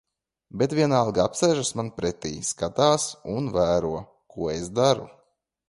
Bet vienalga apsēžas man pretī, skatās un vēro, ko es daru.